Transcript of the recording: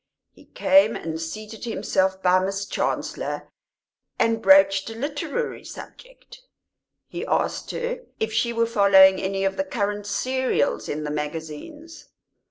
He came and seated himself by Miss Chancellor and broached a literary subject; he asked her if she were following any of the current "serials" in the magazines.